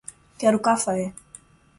Quero café